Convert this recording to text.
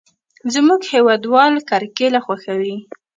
زموږ هېوادوال کرکېله خوښوي.